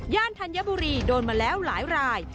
ย่านธัญบุรีโดนมาแล้วหลาย